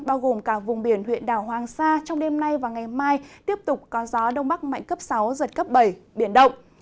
bao gồm cả vùng biển huyện đảo hoàng sa trong đêm nay và ngày mai tiếp tục có gió đông bắc mạnh cấp sáu giật cấp bảy biển động